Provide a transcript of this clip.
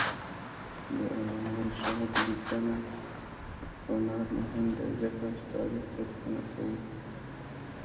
د علامه رشاد لیکنی هنر مهم دی ځکه چې تاریخ روښانه کوي.